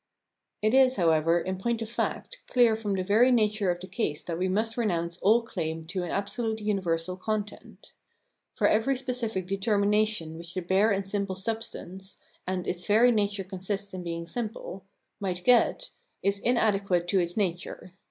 It is, however, in point of fact, clear from the very nature of the case that we must renounce all claim to an absolute universal content. For every specific de termination which the bare and simple substance (and its very nature consists in being simple) might get, is inadequate to its nature.